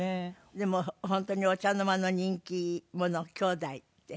でも本当にお茶の間の人気者姉妹で。